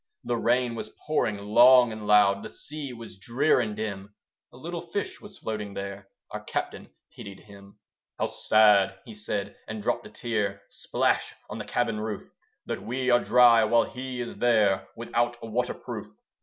The rain was pouring long and loud, The sea was drear and dim; A little fish was floating there: Our Captain pitied him. "How sad," he said, and dropped a tear Splash on the cabin roof, "That we are dry, while he is there Without a waterproof.